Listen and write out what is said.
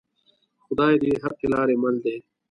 خدای د حقې لارې مل دی